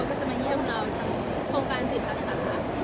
เขาก็จะมาเยี่ยมเราทางโครงการจิตภาษาค่ะ